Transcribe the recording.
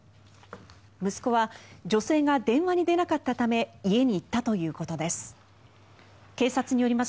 息子は女性が電話に出なかったため家に行ったということです。